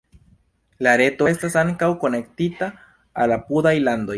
La reto estas ankaŭ konektita al apudaj landoj.